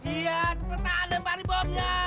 iya cepetan lempari bomnya